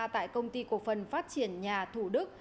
tại công ty cộng phân phát triển nhà thủ đức